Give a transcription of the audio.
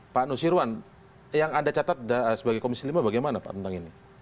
pak nusirwan yang anda catat sebagai komisi lima bagaimana pak tentang ini